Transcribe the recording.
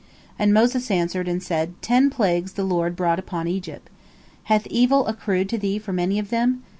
And Moses answered, and said: "Ten plagues the Lord brought upon Egypt. Hath evil accrued to thee from any of them?